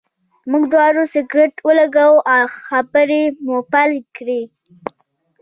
موږ دواړو سګرټ ولګاوه او خبرې مو پیل کړې.